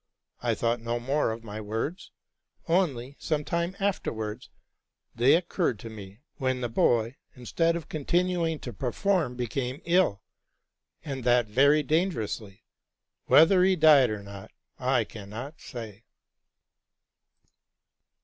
I thought no more of my words; only, some time afterwards, they occurred to me, when the boy, instead of continuing to perform, became ill, and that very dangerously. Whether he died, or not, I cannot say.